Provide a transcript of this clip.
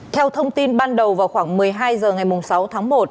theo thông tin ban đầu vào khoảng một mươi hai h ngày sáu tháng một